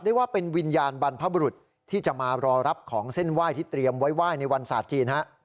ได้ว่าเป็นวิญญาณบรรพบุรุษที่จะมารอรับของเส้นไหว้ที่เตรียมไว้ไหว้ในวันศาสตร์จีน